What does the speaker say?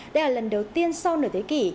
đây là lần đầu tiên sau nửa thế kỷ